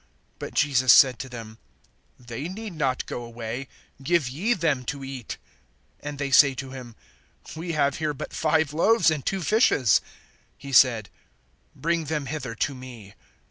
(16)But Jesus said to them: They need not go away; give ye them to eat. (17)And they say to him: We have here but five loaves, and two fishes. (18)He said: Bring them hither to me.